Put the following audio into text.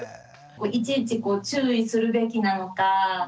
いちいち注意するべきなのか。